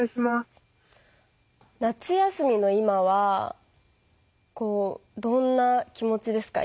夏休みの今はどんな気持ちですか？